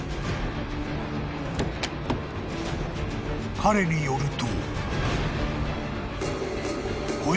［彼によると］